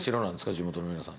地元の皆さん。